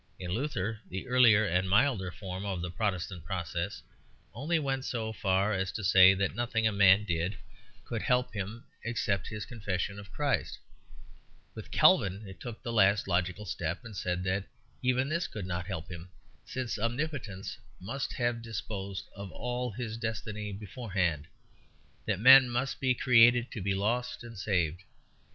In Luther, the earlier and milder form of the Protestant process only went so far as to say that nothing a man did could help him except his confession of Christ; with Calvin it took the last logical step and said that even this could not help him, since Omnipotence must have disposed of all his destiny beforehand; that men must be created to be lost and saved.